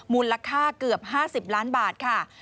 มูลค่าเกือบ๕๐ล้านบาทค่ะ